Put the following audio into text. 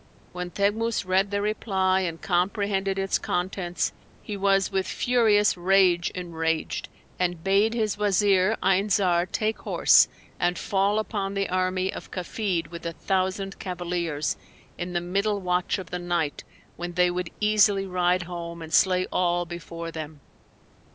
When Teghmus read the reply and comprehended its contents, he was with furious rage enraged and bade his Wazir Ayn Zar take horse and fall upon the army of Kafid with a thousand cavaliers, in the middle watch of the night when they would easily ride home and slay all before them.